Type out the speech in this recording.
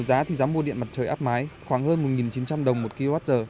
giá mua điện mặt trời áp mái khoảng hơn một chín trăm linh đồng một kwh